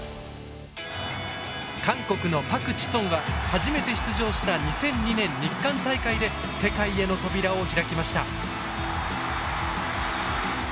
初めて出場した２００２年日韓大会で世界への扉を開きました。